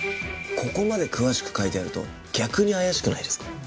ここまで詳しく書いてあると逆に怪しくないですか？